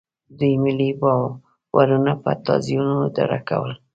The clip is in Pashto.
دوی ملي باورونه په تازیانو اداره کول.